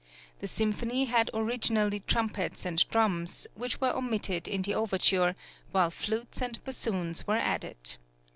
The symphony had originally trumpets and drums, which were omitted in the overture, while flutes and bassoons were added.